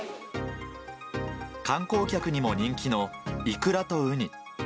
観光客にも人気のイクラとウニ。